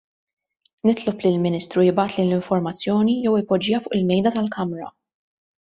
Nitlob lill-Ministru jibgħatli l-informazzjoni jew ipoġġiha fuq il-Mejda tal-Kamra.